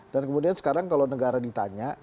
dan kemudian sekarang kalau negara ditanya